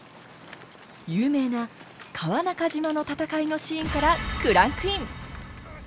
有名な川中島の戦いのシーンからクランクイン！